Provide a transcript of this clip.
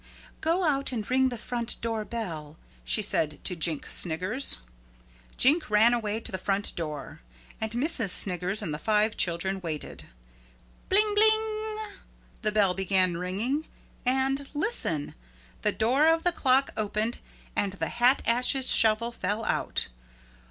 Go out and ring the front door bell," she said to Jink Sniggers. Jink ran away to the front door. And Missus Sniggers and the five children waited. Bling bling the bell began ringing and listen the door of the clock opened and the hat ashes shovel fell out.